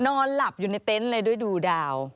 นอนหลับอยู่ในเต็นต์เลยด้วยดูดาว